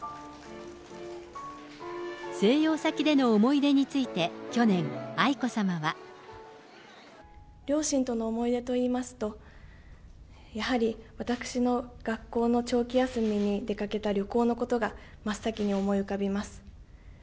静養先での思い出について、去年、愛子さまは。両親との思い出といいますと、やはり私の学校の長期休みに出かけた旅行のことが、真っ先に思い浮かびます。